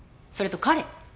それと彼。